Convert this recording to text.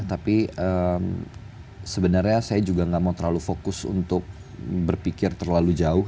tapi sebenarnya saya juga gak mau terlalu fokus untuk berpikir terlalu jauh